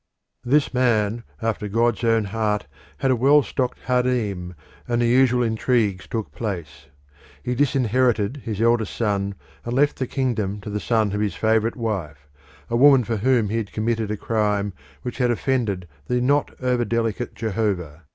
This man after God's own heart had a well stocked harem, and the usual intrigues took place. He disinherited his eldest son and left the kingdom to the son of his favourite wife a woman for whom he had committed a crime which had offended the not over delicate Jehovah.